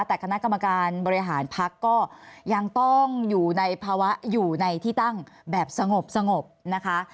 แต่คณะกรรมการบริหารพักก็ยังต้องอยู่ในภาวะอยู่ในที่ตั้งแบบสงบนะคะ